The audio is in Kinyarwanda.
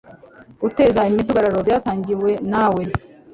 guteza imidugararo byatangiwe nawe